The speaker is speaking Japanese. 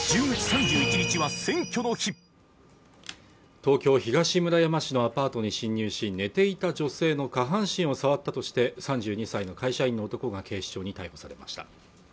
東京・東村山市のアパートに侵入し寝ていた女性の下半身を触ったとして３２歳の会社員の男が警視庁に逮捕されました